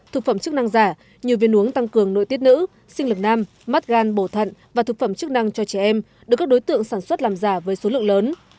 thực phẩm chức năng giả nhiều viên uống tăng cường nội tiết nữ sinh lực nam mát gan bổ thận và thực phẩm chức năng cho trẻ em được các đối tượng sản xuất làm giả với số lượng lớn